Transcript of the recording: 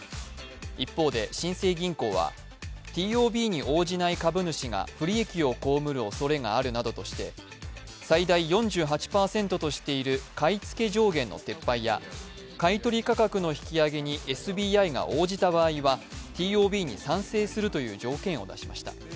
一方で、新生銀行はＴＯＢに応じない株主が不利益を被るおそれがあるなどとして最大４８％としている買い付け上限の撤廃や買い取り価格の引き上げにＳＢＩが応じた場合はＴＯＢに賛成するという条件を出しました。